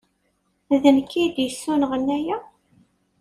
D nekk ay d-yessunɣen aya?